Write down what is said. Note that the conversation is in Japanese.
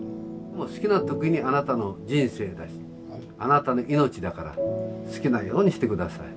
好きな時にあなたの人生だしあなたの命だから好きなようにして下さい。ね。